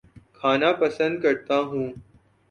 کھانا پسند کرتا ہوں